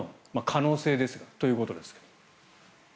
可能性ですが。ということですが。